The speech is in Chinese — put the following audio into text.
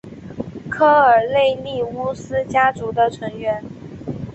科尔内利乌斯家族的成员。